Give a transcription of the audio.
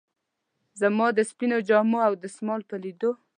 زما د سپینو جامو او دستمال په لیدو.